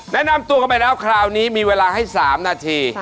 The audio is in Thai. แนะนำตัวกันไปแล้วคราวนี้มีเวลาให้๓นาที